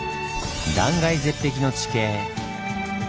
断崖絶壁の地形。